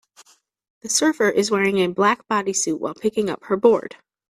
The surfer is wearing a black bodysuit while picking up her board.